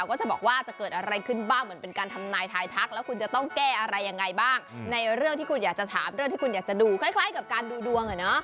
คล้ายกับการดูดวง